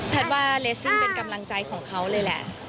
ว่าเลสซิ่งเป็นกำลังใจของเขาเลยแหละ